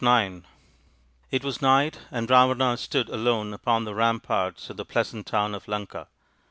IX It was night, and Ravana stood alone upon the ramparts of the pleasant town of Lanka.